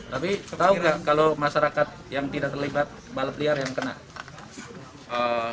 tapi tau gak kalau masyarakat yang tidak terlibat balapan liar yang kena